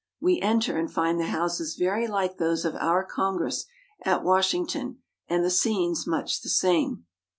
We enter and find the Houses very like those of our Congress at Washington and the scenes much the same.